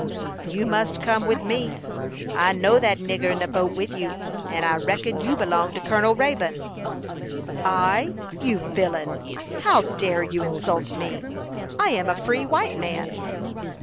"You must come with me. I know that nigger in the boat with you, and I reckon you belong to Colonel Raybone." "I, you villain! How dare you insult me? I am a free white man."